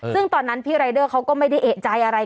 ซึ่งตอนนั้นพี่รายเดอร์เขาก็ไม่ได้เอกใจอะไร